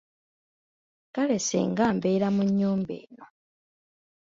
Kale singa mbeera mu nnyumba eno!